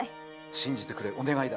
信じてくれお願いだ。